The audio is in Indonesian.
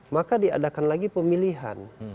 maka diadakan lagi pemilihan